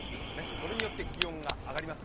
それによって気温が上がります。